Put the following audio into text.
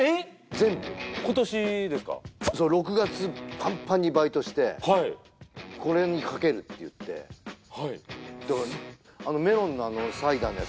全部そう６月パンパンにバイトしてはいこれにかけるって言ってはいだからあのメロンのサイダーのやつ